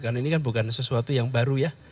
karena ini bukan sesuatu yang baru ya